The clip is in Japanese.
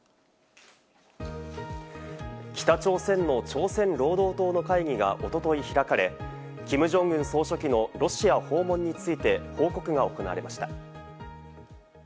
北朝鮮の朝鮮労働党の会議がおととい開かれ、キム・ジョンウン総書記のロシア訪問について報告が行われました。